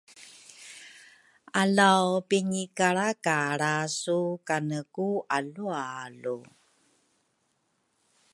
Alaw pingikalrakalra su kane ku alualu?